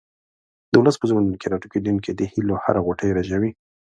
د ولس په زړونو کې راټوکېدونکې د هیلو هره غوټۍ رژوي.